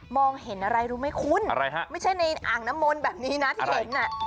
มองเห็นอะไรรู้ไม่คุ้นไม่ใช่ในอ่างน้ำมนต์แบบนี้นะที่เขาเห็น